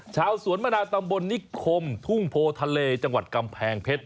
ชาวสวนมะนาวตำบลนิคมทุ่งโพทะเลจังหวัดกำแพงเพชร